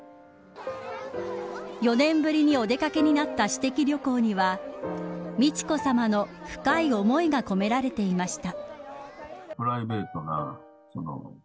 ４年ぶりにお出掛けになった私的旅行には美智子さまの深い思いが込められていました。